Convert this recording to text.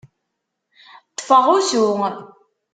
Ṭṭfeɣ usu.